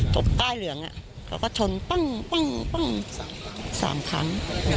ตบใกล้เหลืองอ่ะเขาก็ชนปึ้งปึ้งปึ้งสามสามครั้ง